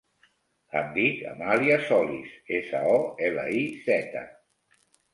Em dic Amàlia Soliz: essa, o, ela, i, zeta.